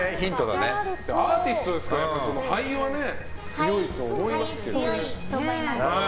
アーティストですから肺は強いと思いますよ。